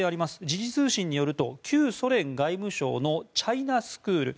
時事通信によると旧ソ連外務省のチャイナスクール